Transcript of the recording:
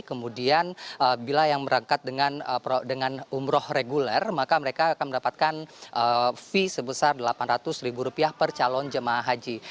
kemudian bila yang berangkat dengan umroh reguler maka mereka akan mendapatkan fee sebesar delapan ratus ribu rupiah per calon jemaah haji